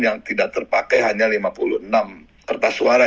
yang tidak terpakai hanya lima puluh enam kertas suara